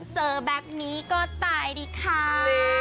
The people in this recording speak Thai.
เสิร์ฟแบบนี้ก็ตายดีครับ